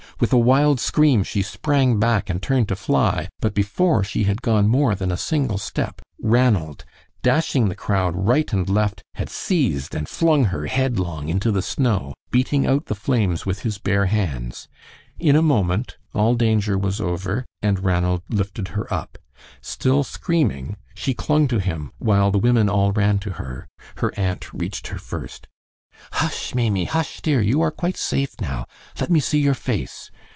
With a wild scream she sprang back and turned to fly, but before she had gone more than a single step Ranald, dashing the crowd right and left, had seized and flung her headlong into the snow, beating out the flames with his bare hands. In a moment all danger was over, and Ranald lifted her up. Still screaming, she clung to him, while the women all ran to her. Her aunt reached her first. "Hush, Maimie; hush, dear. You are quite safe now. Let me see your face.